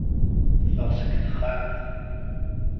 Teffeɣ seg texxamt.